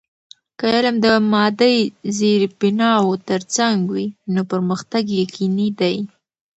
که علم د مادی زیربناوو ترڅنګ وي، نو پرمختګ یقینی دی.